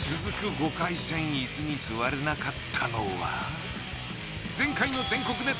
５回戦イスに座れなかったのは。